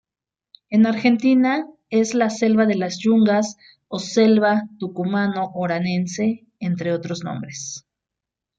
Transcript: En Argentina es la "Selva de las Yungas" o "Selva tucumano-Oranense, entre otros nombres.